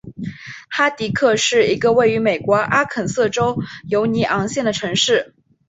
哈蒂格是一个位于美国阿肯色州犹尼昂县的城市。